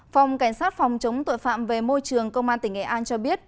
phòng cảnh sát phòng chống tội phạm về môi trường công an tỉnh nghệ an cho biết